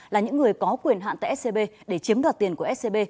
là những người có quyền hạn tại scb để chiếm đoạt tiền của scb